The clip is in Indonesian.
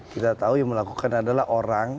kita tahu yang melakukan adalah orang